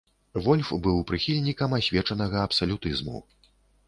Вольф быў прыхільнікам асвечанага абсалютызму.